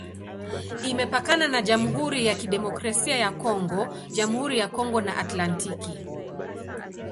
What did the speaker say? Imepakana na Jamhuri ya Kidemokrasia ya Kongo, Jamhuri ya Kongo na Atlantiki.